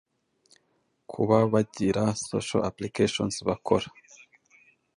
kuba bagira social applications bakora,